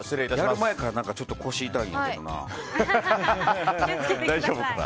やる前からちょっと腰痛いんやけどな。